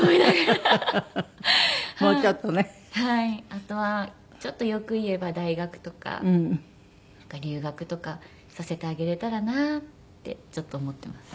あとはちょっと欲を言えば大学とか留学とかさせてあげれたらなってちょっと思っています。